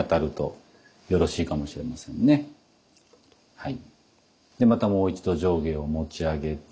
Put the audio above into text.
はい。